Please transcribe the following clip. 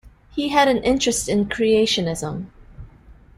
He had an interest in creationism.